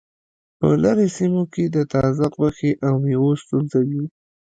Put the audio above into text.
په لرې سیمو کې د تازه غوښې او میوو ستونزه وي